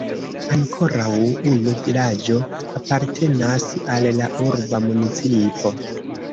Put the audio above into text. Ankoraŭ unu vilaĝo apartenas al la urba municipo.